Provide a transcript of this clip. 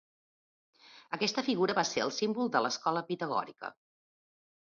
Aquesta figura va ser el símbol de l'escola pitagòrica.